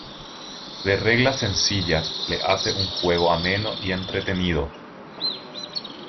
De reglas sencillas le hace un juego ameno y entretenido.